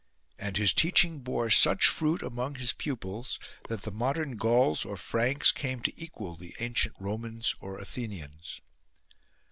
And his teaching bore such fruit among his pupils that the modern Gauls or Franks came to equal the ancient Romans or Athenians.